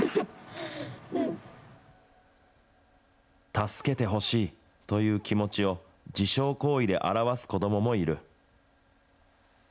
助けてほしいという気持ちを、自傷行為で表す子どももいる。